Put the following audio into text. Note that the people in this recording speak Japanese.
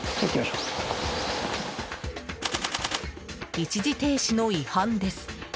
一時停止の違反です。